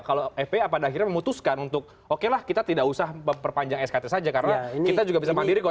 kalau epa pada akhirnya memutuskan untuk oke lah kita tidak usah memperpanjang skt saja karena kita juga bisa mandiri kok